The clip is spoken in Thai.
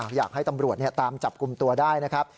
อยากให้ตำรวจตามจับกลุ่มตัวได้นะครับ